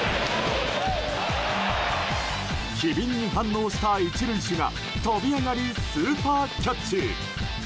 機敏に反応した１塁手が飛び上がりスーパーキャッチ！